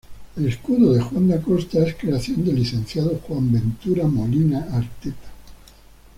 El escudo de Juan de Acosta es creación del licenciado Juan Ventura Molina Arteta.